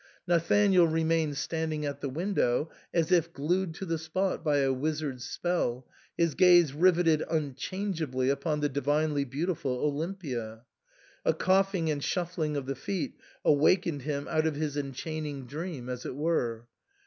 Nathanael remained standing at the window as if glued to the spot by a wizard's spell, his gaze rivetted unchangeably upon the divinely beau tiful Olimpia. A coughing and shuffling of the feet awakened him out of his enchaining dream, as it were.